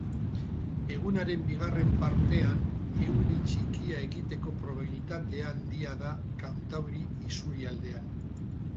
Egunaren bigarren partean euri txikia egiteko probabilitatea handia da kantauri isurialdean.